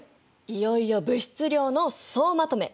いよいよ物質量の総まとめ！